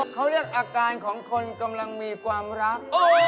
เขาเรียกอาการของคนกำลังมีความรัก